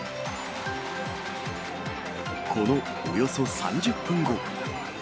このおよそ３０分後。